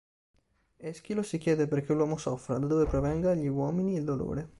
Eschilo si chiede perché l'uomo soffra, da dove provenga agli uomini il dolore.